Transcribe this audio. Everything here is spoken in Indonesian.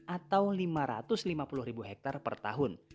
atau lima ratus lima puluh ribu hektare per tahun